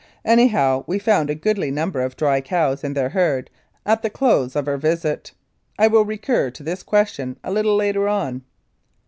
Anyhow, we found a goodly number of dry cows in their herd at the close of our visit. I will recur to this question a little later on.